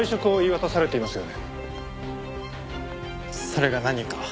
それが何か？